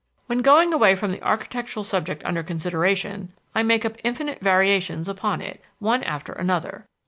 When going away from the architectural subject under consideration, I make up infinite variations upon it, one after another.